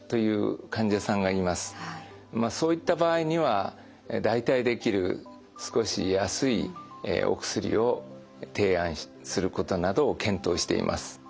まあそういった場合には代替できる少し安いお薬を提案することなどを検討しています。